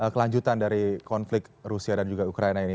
kelanjutan dari konflik rusia dan juga ukraina ini